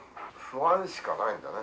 不安しかないんだね。